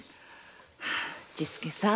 治助さん